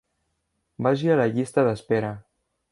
Vagi a la llista d'espera.